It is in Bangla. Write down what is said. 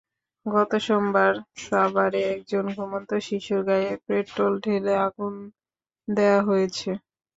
গত সোমবার সাভারে একজন ঘুমন্ত শিশুর গায়ে পেট্রল ঢেলে আগুন দেওয়া হয়েছে।